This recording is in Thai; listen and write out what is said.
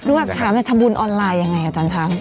รวมถามถามบุญออนไลน์ยังไงอาจารย์ช้ำ